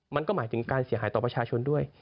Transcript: มันก็หมายถึงการเสียหายต่อประชาชนด้วย